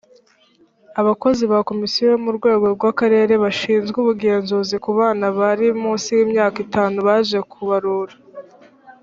abakozi ba komisiyo bo mu rwego rwa karere bashizwe ubugenzuzi kubana bari munsi y’ imyaka itanu baje ku barura